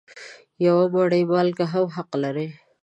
یوه مړۍ مالګه هم حق لري.